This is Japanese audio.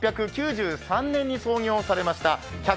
１８９３年に創業されました。